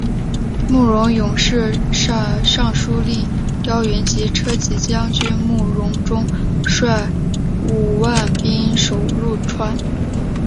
慕容永于是派尚书令刁云及车骑将军慕容钟率五万兵守潞川。